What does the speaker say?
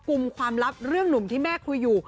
กลุ่มความลับเรื่องหนุ่มที่แม่คุยอยู่